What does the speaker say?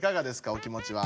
お気もちは。